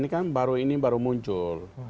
ini kan baru ini baru muncul